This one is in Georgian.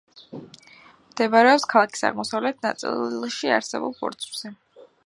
მდებარეობს ქალაქის აღმოსავლეთ ნაწილში არსებულ ბორცვზე.